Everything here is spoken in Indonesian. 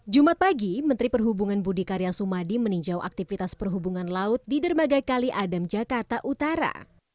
jumat pagi menteri perhubungan budi karya sumadi meninjau aktivitas perhubungan laut di dermaga kali adam jakarta utara